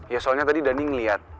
ya soalnya tadi dany ngeliat